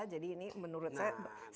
jadi ini menurut saya